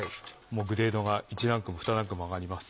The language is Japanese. グレードが１ランクも２ランクも上がります。